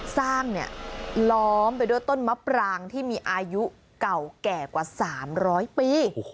สร้างล้อมไปด้วยต้นมะปรางที่มีอายุเก่าแก่กว่า๓๐๐ปี